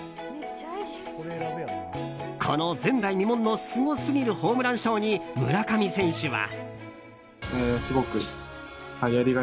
この前代未聞のすごすぎるホームラン賞に村上選手は。